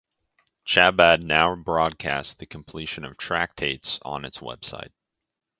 Chabad now broadcasts the completion of tractates on its website.